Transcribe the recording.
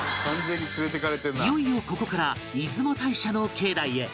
いよいよここから出雲大社の境内へ